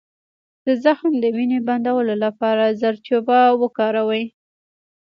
د زخم د وینې بندولو لپاره زردچوبه وکاروئ